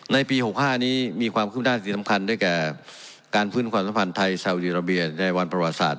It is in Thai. ในปี๖๕นี้มีความขึ้นด้านสิ่งสำคัญได้แก่การฟื้นความสัมพันธ์ไทยซาวดีราเบียในวันประวัติศาสต